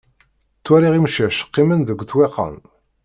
Ttwaliɣ imcac qqimen deg ṭṭwiqan.